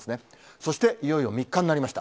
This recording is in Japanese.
そしていよいよ３日になりました。